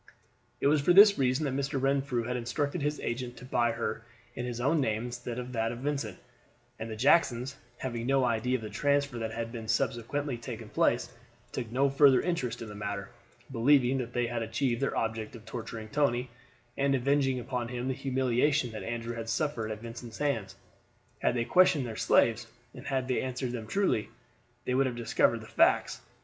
It was for this reason that Mr. Renfrew had instructed his agent to buy her in his own name instead of that of Vincent; and the Jacksons, having no idea of the transfer that had subsequently taken place, took no further interest in the matter, believing that they had achieved their object of torturing Tony, and avenging upon him the humiliation that Andrew had suffered at Vincent's hands. Had they questioned their slaves, and had these answered them truly, they would have discovered the facts.